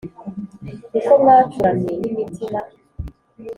Niko mwacuramye n’imitima,